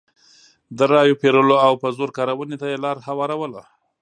د رایو پېرلو او په زور کارونې ته یې لار هواروله.